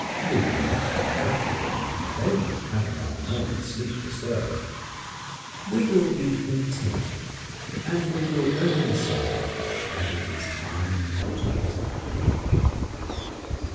We will not be fretful and complain of having our morning sleep disturbed; we will be contented, and will only say that it is time to get up.